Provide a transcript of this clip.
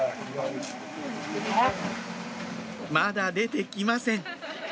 まだ出てきません